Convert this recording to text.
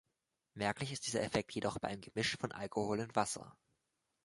Merklich ist dieser Effekt jedoch bei einem Gemisch von Alkohol und Wasser.